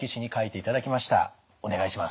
お願いします。